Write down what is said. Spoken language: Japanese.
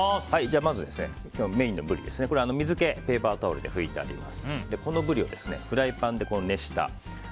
まず、メインのブリは水気をペーパータオルで拭いてあります。